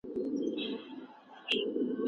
ته چې ولاړې او د ښکلي خدای مېلمه شوې